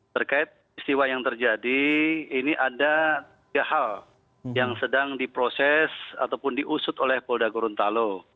terkait peristiwa yang terjadi ini ada tiga hal yang sedang diproses ataupun diusut oleh polda gorontalo